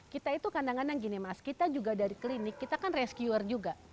kita itu kadang kadang gini mas kita juga dari klinik kita kan rescuer juga